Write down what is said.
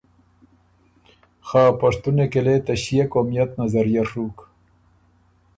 خه پشتُونی کی لې ته ݭيې قومئت نظریه ڒُوک۔